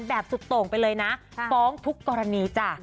แบบสุดโต่งไปเลยนะฟ้องทุกกรณีจ้ะ